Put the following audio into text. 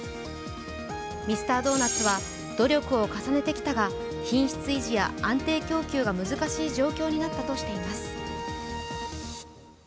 ミスタードーナツは努力を重ねてきたが、品質維持や安定供給が難しい状況になったとしています。